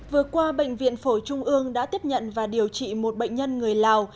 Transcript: vừa qua bệnh viện phổi trung ương đã tiếp nhận và điều trị một bệnh nhân người lào